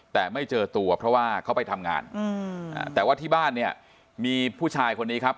แต่ไม่เจอตัวเพราะว่าเขาไปทำงานแต่ว่าที่บ้านเนี่ยมีผู้ชายคนนี้ครับ